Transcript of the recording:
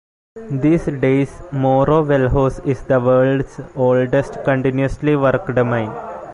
These days Morro Velhos is the world's oldest continuously worked mine.